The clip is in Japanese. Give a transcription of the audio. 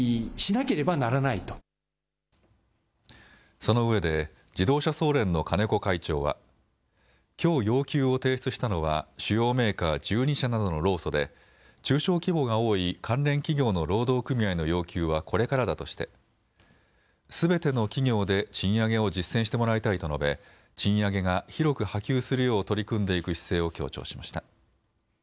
そのうえで自動車総連の金子会長はきょう要求を提出したのは主要メーカー１２社などの労組で中小規模が多い関連企業の労働組合の要求はこれからだとしてすべての企業で賃上げを実践してもらいたいと述べ、賃上げが広く波及するよう取り組んでいく姿勢を強調しました。